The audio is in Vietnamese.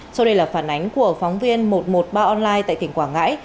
sau đây là phản ánh của phóng viên một trăm một mươi ba online tại tỉnh quảng ngãi